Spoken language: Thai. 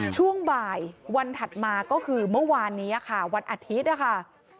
ช่วงบ่ายวันถัดมาก็คือเมื่อวานนี้ค่ะวันอาทิตย์นะคะ